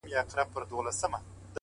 پر وجود څه ډول حالت وو اروا څه ډول وه؛